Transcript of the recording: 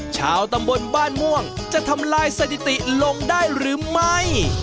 ชาวตำบลบ้านม่วงจะทำลายสถิติลงได้หรือไม่